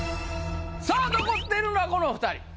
さあ残っているのはこのお二人。